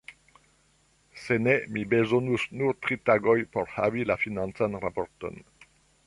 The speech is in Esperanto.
Se ne, mi bezonus nur tri tagojn por havi la financan raporton.